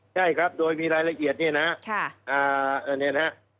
ใช่ครับโดยมีรายละเอียดเนี่ยนะครับ